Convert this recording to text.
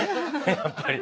やっぱり。